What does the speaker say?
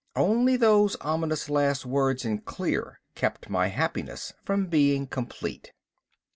Only those ominous last words in clear kept my happiness from being complete.